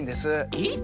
えっ！？